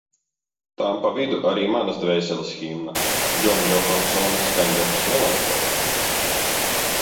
Tām pa vidu arī manas dvēseles himna – Džona Džohansona skaņdarbs Melanholija.